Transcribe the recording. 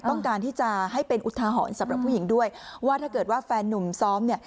ต้องการที่จะให้เป็นอุทาหรณ์สำหรับผู้หญิงด้วยว่าถ้าเกิดว่าแฟนนุ่มซ้อมเนี่ย